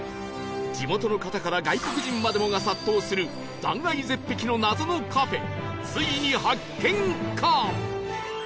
地元の方から外国人までもが殺到する断崖絶壁の謎のカフェついに発見か？